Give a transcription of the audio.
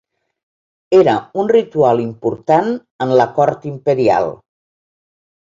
Era un ritual important en la cort imperial.